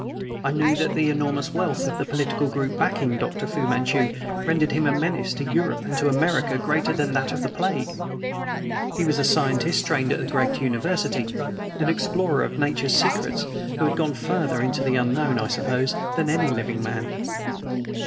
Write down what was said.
I knew that the enormous wealth of the political group backing Dr. Fu Manchu rendered him a menace to Europe and to America greater than that of the plague. He was a scientist trained at a great university an explorer of nature's secrets, who had gone farther into the unknown, I suppose, than any living man.